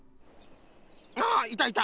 あいたいた。